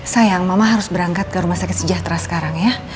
sayang mama harus berangkat ke rumah sakit sejahtera sekarang ya